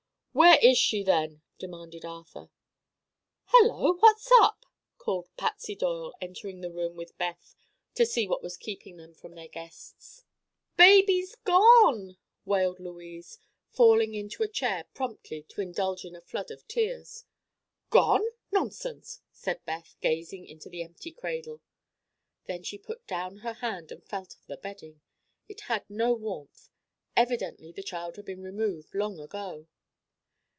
"Where is she, then?" demanded Arthur. "Hello; what's up?" called Patsy Doyle, entering the room with Beth to see what was keeping them from their guests. "Baby's gone!" wailed Louise, falling into a chair promptly to indulge in a flood of tears. "Gone? Nonsense," said Beth, gazing into the empty cradle. Then she put down her hand and felt of the bedding. It had no warmth. Evidently the child had been removed long ago.